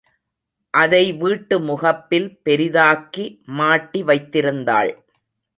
அதை வீட்டு முகப்பில் பெரிதாக்கி மாட்டி வைத்திருந்தாள்.